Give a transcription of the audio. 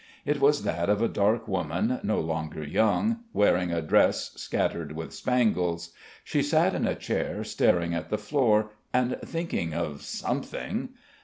It was that of a dark woman no longer young, wearing a dress scattered with spangles. She sat in a chair staring at the floor and thinking of something.